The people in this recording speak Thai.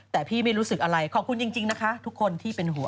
แต่พี่ไม่รู้สึกอะไรขอบคุณจริงนะคะทุกคนที่เป็นหัว